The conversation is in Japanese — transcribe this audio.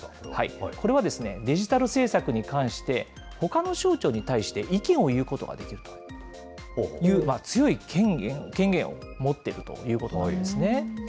これはデジタル政策に関して、ほかの省庁に対して意見を言うことができるという、強い権限を持っているということなんですね。